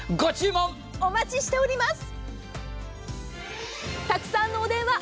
お待ちしております。